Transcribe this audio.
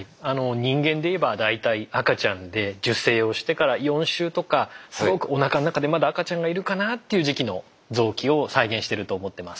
人間でいえば大体赤ちゃんで受精をしてから４週とかおなかの中でまだ赤ちゃんがいるかなぁという時期の臓器を再現してると思ってます。